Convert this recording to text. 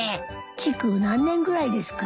築何年ぐらいですか？